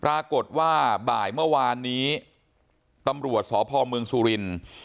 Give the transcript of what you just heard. ปรากฏว่าบ่ายเมื่อวานนี้ตำรวจสพเมืองสุรินทร์